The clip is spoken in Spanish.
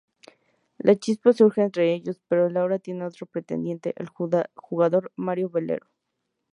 La chispa surge entre ellos pero Laura tiene otro pretendiente, el jugador Mario Valero.